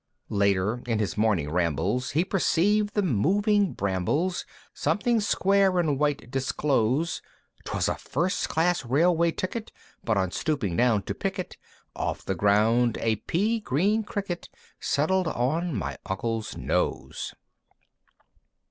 IV. Later, in his morning rambles He perceived the moving brambles Something square and white disclose; 'Twas a First class Railway Ticket; But, on stooping down to pick it Off the ground, a pea green Cricket Settled on my uncle's Nose.